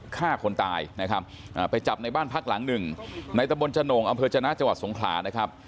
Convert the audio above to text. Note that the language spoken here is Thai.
ฆ่าคนตายนะครับไปจับในบ้านพักหลัง๑ในตรบนจนกแปลวชนะจังหวัดสงขานะครับ